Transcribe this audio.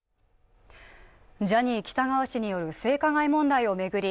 ジャニー喜多川氏による性加害問題を巡り